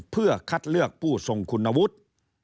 เพื่อคัดเลือกผู้ทรงคุณวุฒิ